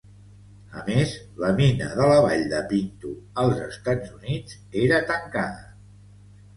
A més, la mina de la Vall de Pinto als Estats Units era tancada.